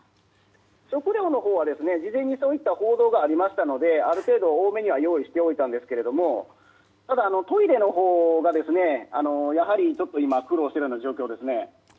食料の方は事前にそういった報道がありましたのである程度多めには用意しておいたんですがただ、トイレのほうがちょっと今苦労している状況ですね。